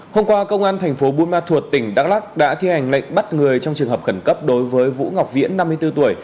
hôm qua công an thành phố buôn ma thuột tỉnh đắk lắc đã thi hành lệnh bắt người trong trường hợp khẩn cấp đối với vũ ngọc viễn năm mươi bốn tuổi